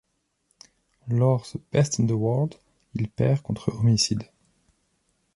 Lors ce Best In The World, il perd contre Homicide.